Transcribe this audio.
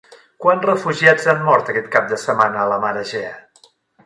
Quants refugiats han mort aquest cap de setmana a la mar Egea?